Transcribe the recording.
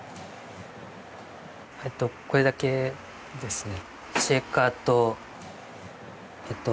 えっとこれだけですね。